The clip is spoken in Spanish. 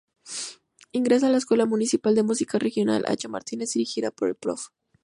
Ingresa a la escuela municipal de música regional "Achá Martínez" dirigida por el Prof.